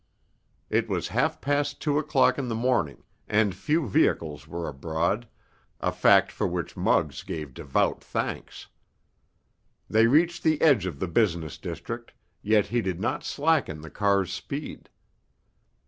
It was half past two o'clock in the morning, and few vehicles were abroad, a fact for which Muggs gave devout thanks. They reached the edge of the business district, yet he did not slacken the car's speed.